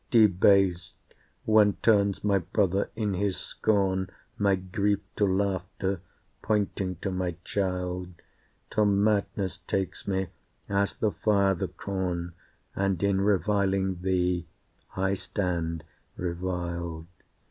Debased, when turns my brother in his scorn My grief to laughter, pointing to my child; Till madness takes me as the fire the corn And, in reviling thee, I stand reviled.